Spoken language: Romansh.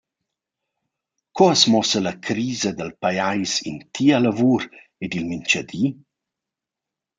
Co as muossa la crisa dal pajais in Tia lavur ed i’l minchadi?